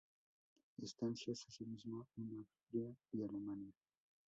Estancias asimismo en Austria y Alemania.